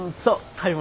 買い物。